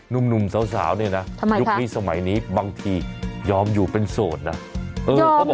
หนุ่มสาวเนี่ยนะยุคนี้สมัยนี้บางทียอมอยู่เป็นโสดนะ